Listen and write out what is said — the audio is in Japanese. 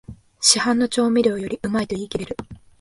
市販の調味料よりうまいと言いきれる